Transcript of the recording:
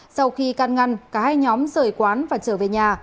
sau khi can ngăn cả hai nhóm rời quán và trở về nhà